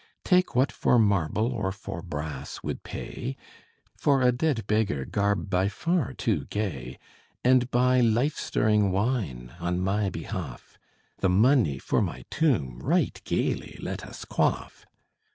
Take what for marble or for brass would pay For a dead beggar garb by far too gay And buy life stirring wine on my behalf: The money for my tomb right gayly let us quaff!